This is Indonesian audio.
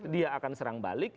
dia akan serang balik